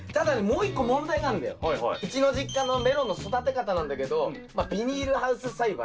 うちの実家のメロンの育て方なんだけどビニールハウス栽培。